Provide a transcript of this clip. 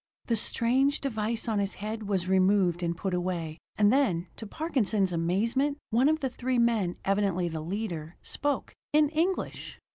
The strange device on his head was removed and put away; and then, to Parkinson's amazement, one of the three men, evidently the leader, spoke in English!